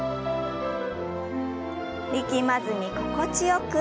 力まずに心地よく。